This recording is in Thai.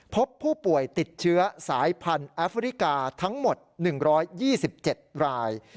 พบผู้ป่วยติดเชื้อสายพันธุ์แอฟริกาทั้งหมด๑๒๗ราย